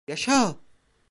Yaşa!